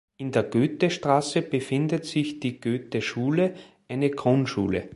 In der Goethestraße befindet sich die Goetheschule, eine Grundschule.